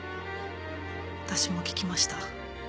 私も聞きました。